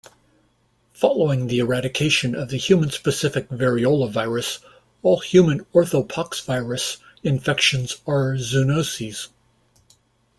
Following the eradication of the human-specific variola virus, all human Orthopoxvirus infections are zoonoses.